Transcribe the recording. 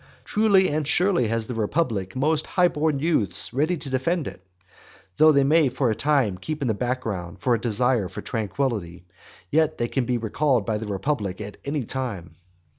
Truly and surely has the republic most high born youths ready to defend it, though they may for a time keep in the background from a desire for tranquillity, still they can be recalled by the republic at any time.